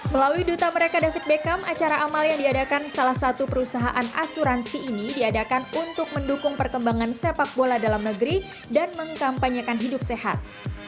melalui duta mereka david beckham acara amal yang diadakan salah satu perusahaan asuransi ini diadakan untuk mendukung perkembangan sepak bola dalam negeri dan mengkampanyekan hidup sehat